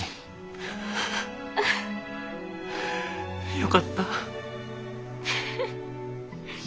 よかった。